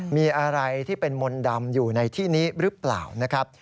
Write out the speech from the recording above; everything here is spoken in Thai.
มีอะไรที่เป็นมนต์ดำอยู่ในที่นี้หรือเปล่านะครับ